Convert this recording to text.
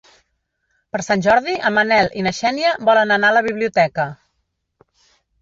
Per Sant Jordi en Manel i na Xènia volen anar a la biblioteca.